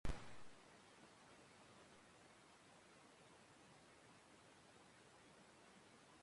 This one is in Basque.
Lan-erregulazioak ez die eragingo urteko oporren sortzapenei, ezta udako soldata estrari.